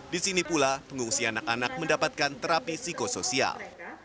di sini pula pengungsi anak anak mendapatkan terapi psikosoial